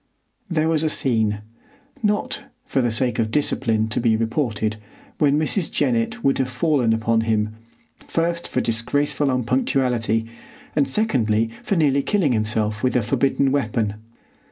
There was a scene, not, for the sake of discipline, to be reported, when Mrs. Jennett would have fallen upon him, first for disgraceful unpunctuality, and secondly for nearly killing himself with a forbidden weapon.